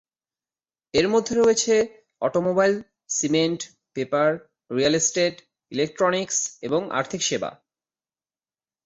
এর মধ্যে রয়েছে automobile, cement, paper, real estate, electronics এবং আর্থিক সেবা।